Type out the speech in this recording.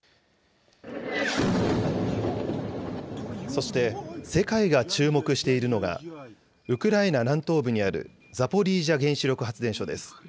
そして、世界が注目しているのが、ウクライナ南東部にあるザポリージャ原子力発電所です。